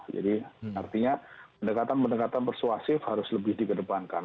jadi artinya pendekatan pendekatan persuasif harus lebih dikedepankan